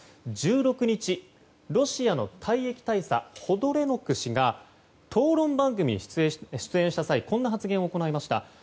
１６日、ロシアの退役大佐ホダレノク氏が討論番組に出演した際こんな発言を行いました。